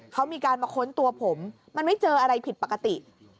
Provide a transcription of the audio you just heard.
เขามีการมาค้นตัวผมมันไม่เจออะไรผิดปกติ